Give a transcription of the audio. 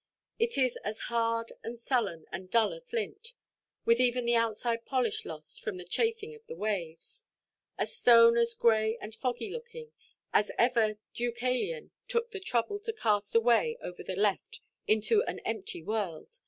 It is as hard, and sullen, and dull a flint (with even the outside polish lost from the chafing of the waves)—a stone as grey and foggy–looking;—as ever Deucalion took the trouble to cast away over the left into an empty world.